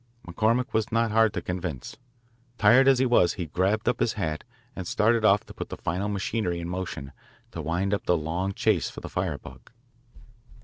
McCormick was not hard to convince. Tired as he was, he grabbed up his hat and started off to put the final machinery in motion to wind up the long chase for the firebug.